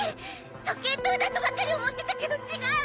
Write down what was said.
時計塔だとばかり思ってたけど違う！